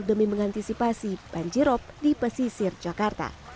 demi mengantisipasi banjirop di pesisir jakarta